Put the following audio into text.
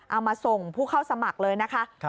เอามาส่งผู้เข้าสมัครเลยนะคะ